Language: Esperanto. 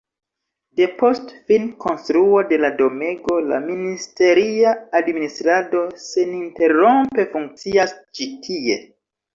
Depost finkonstruo de la domego la ministeria administrado seninterrompe funkcias ĉi tie.